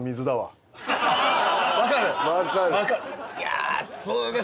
分かる。